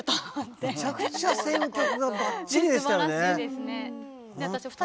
めちゃくちゃ選曲がばっちりでしたよね。